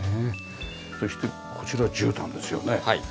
そしてこちらじゅうたんですよね。